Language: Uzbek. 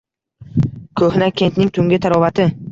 Ko‘hna Kentning tungi tarovati